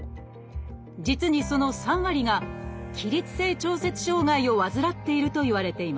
実にその３割が起立性調節障害を患っているといわれています。